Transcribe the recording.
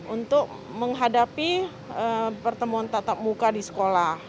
untuk menghadapi pertemuan tatap muka di sekolah